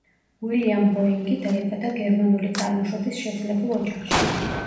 უილიამ ბოინგი დაიბადა გერმანული წარმოშობის შეძლებულ ოჯახში.